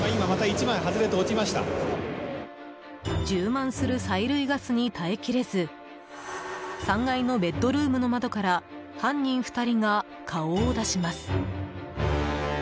充満する催涙ガスに耐え切れず３階のベッドルームの窓から犯人２人が顔を出します。